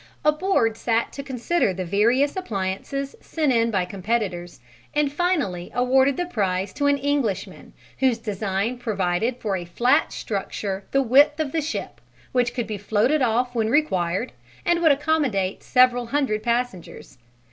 A board sat to consider the various appliances sent in by competitors, and finally awarded the prize to an Englishman, whose design provided for a flat structure the width of the ship, which could be floated off when required and would accommodate several hundred passengers.